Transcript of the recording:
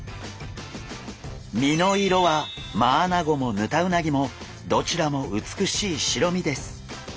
身の色はマアナゴもヌタウナギもどちらも美しい白身です。